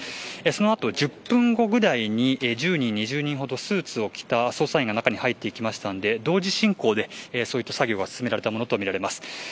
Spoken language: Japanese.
その後、１０分後にぐらいにスーツを着た捜査員が中に入っていって同時進行でそういった作業が進められたものとみられます。